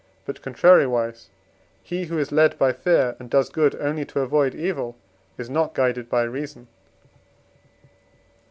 But contrariwise he, who is led by fear and does good only to avoid evil, is not guided by reason.